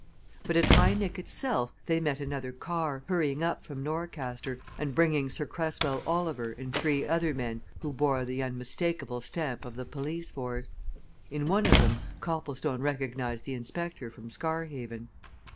But at High Nick itself they met another car, hurrying up from Norcaster, and bringing Sir Cresswell Oliver and three other men who bore the unmistakable stamp of the police force. In one of them Copplestone recognized the inspector from Scarhaven.